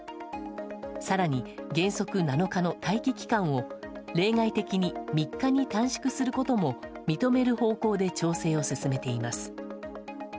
更に、原則７日の待機期間を例外的に３日に短縮することも認める方向で調整を進めています。